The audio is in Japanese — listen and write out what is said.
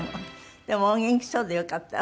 でもお元気そうでよかったわ。